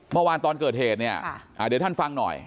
เมื่อวานตอนเกิดเหตุเนี่ยเดี๋ยวท่านฟังหน่อย